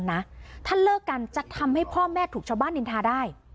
นะถ้าเลิกกันจะทำให้พ่อแม่ถูกชาวบ้านนินทาได้